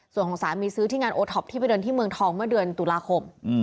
ส่วนของสามีซื้อที่งานโอท็อปที่ไปเดินที่เมืองทองเมื่อเดือนตุลาคม